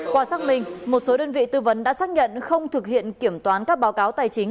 qua xác minh một số đơn vị tư vấn đã xác nhận không thực hiện kiểm toán các báo cáo tài chính